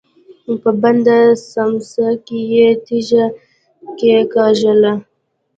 په بنده سمڅه کې يې تيږه کېکاږله.